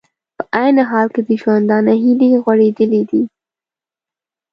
په عین حال کې د ژوندانه هیلې غوړېدلې دي